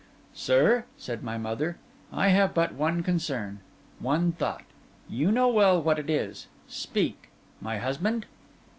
'Sir,' said my mother, 'I have but one concern, one thought. You know well what it is. Speak: my husband?